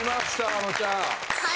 あのちゃん。